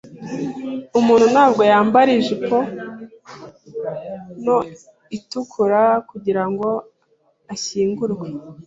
Umuntu ntabwo yambara ijipo nto itukura kugirango ashyingurwe.